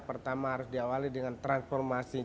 pertama harus diawali dengan transformasi